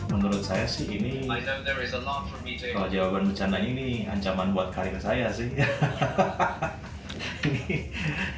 menurut saya sih ini kalau jawaban bercandanya ini ancaman buat karir saya sih